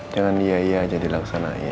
jangan iya iya aja dilaksanakan